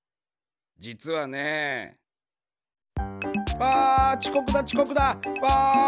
じつはね。わちこくだちこくだ！わ！